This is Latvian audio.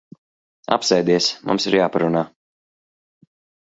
Apsēdies. Mums ir jāparunā.